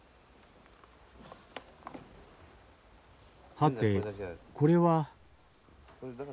はてこれは。